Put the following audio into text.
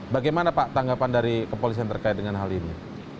bagaimana pak tanggapan dari kepolisian terkait dengan hal ini